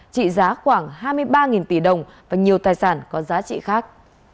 trị giá khoảng hai mươi ba tỷ đồng và nhiều tài sản có giá trị khác